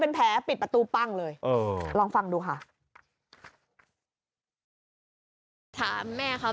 เป็นแผลปิดประตูปั้งเลยเออลองฟังดูค่ะถามแม่เขา